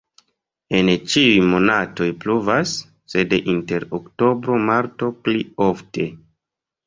En ĉiuj monatoj pluvas, sed inter oktobro-marto pli ofte.